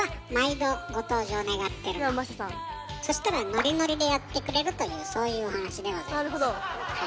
そしたらノリノリでやってくれるというそういうお話でございます。